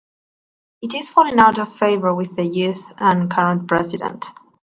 It is falling out of favor with the youth and current President.